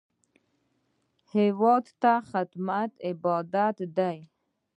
هېواد ته خدمت عبادت دی